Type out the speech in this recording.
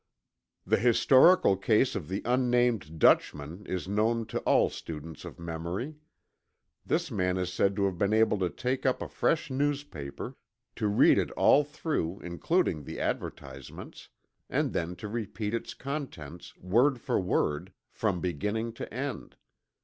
The historical case of the unnamed Dutchman is known to all students of memory. This man is said to have been able to take up a fresh newspaper; to read it all through, including the advertisements; and then to repeat its contents, word for word, from beginning to end.